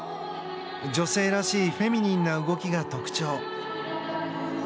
女性らしいフェミニンな動きが特徴。